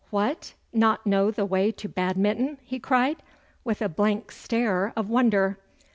'What! Not know the way to Badminton!' he cried, with a blank stare of wonder.